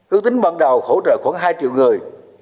ước tính ban đầu hỗ trợ khoảng hai triệu người